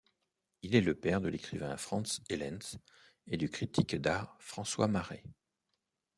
Il est le père de l'écrivain Franz Hellens et du critique d'art François Maret.